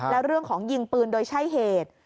แล้วเรื่องของยิงปืนโดยใช่เหตุ